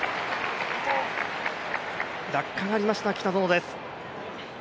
落下がありました北園です。